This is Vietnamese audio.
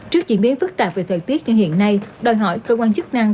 trước diễn biến phức tạp về thời tiết như hiện nay đòi hỏi cơ quan chức năng